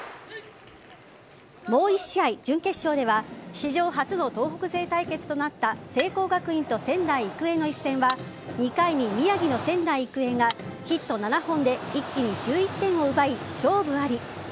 もう１試合、準決勝では史上初の東北勢対決となった聖光学院と仙台育英の一戦は２回に宮城の仙台育英がヒット７本で一気に１１点を奪い、勝負あり。